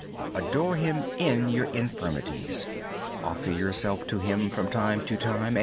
Adore Him in your infirmities. Offer yourself to Him from time to time.